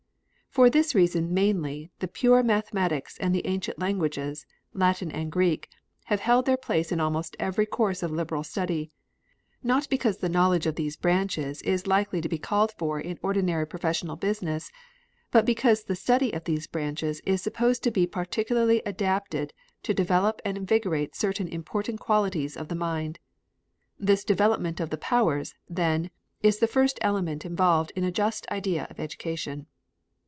For this reason mainly the pure mathematics and the ancient languages, Latin and Greek, have held their place in almost every course of liberal study, not because the knowledge of these branches is likely to be called for in ordinary professional business, but because the study of these branches is supposed to be particularly adapted to develop and invigorate certain important qualities of the mind. This development of the powers, then, is the first element involved in a just idea of education.